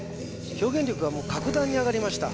表現力は格段に上がりました